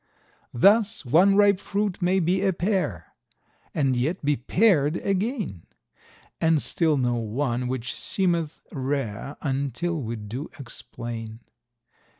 Thus, one ripe fruit may be a pear, and yet be pared again, And still no one, which seemeth rare until we do explain.